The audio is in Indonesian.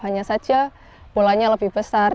hanya saja polanya lebih besar